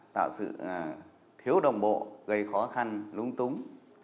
tạo sự thiếu đồng bộ gây khó khăn lung túng